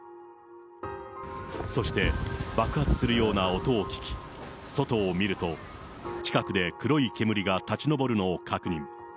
そして爆発するような音を聞き、外を見ると、近くで黒い煙が立ち上るのを確認。